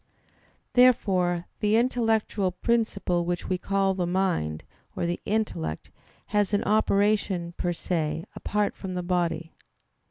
Therefore the intellectual principle which we call the mind or the intellect has an operation per se apart from the body.